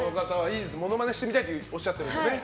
モノマネしてみたいとおっしゃっているのでね。